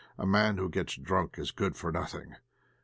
A man who gets drunk is good for nothing.